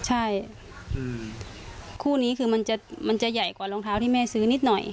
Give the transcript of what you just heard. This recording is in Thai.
ใช่คู่นี้คือมันจะใหญ่กว่ารองเท้าที่แม่ซื้อนิดหน่อย